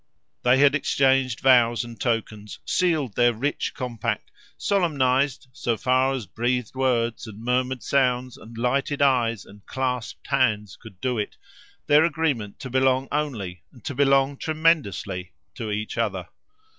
They had exchanged vows and tokens, sealed their rich compact, solemnised, so far as breathed words and murmured sounds and lighted eyes and clasped hands could do it, their agreement to belong only, and to belong tremendously, to each other.